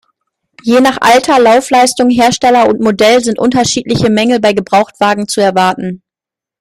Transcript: Je nach Alter, Laufleistung, Hersteller und Modell sind unterschiedliche Mängel bei Gebrauchtwagen zu erwarten.